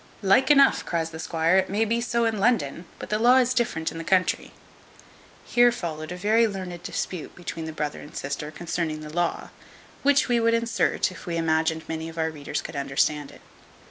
"Like enough," cries the squire; "it may be so in London; but the law is different in the country." Here followed a very learned dispute between the brother and sister concerning the law, which we would insert, if we imagined many of our readers could understand it.